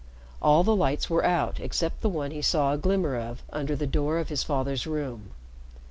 All the lights were out except the one he saw a glimmer of under the door of his father's room.